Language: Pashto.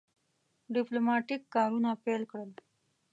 ډیپلوماټیک کارونه پیل کړل.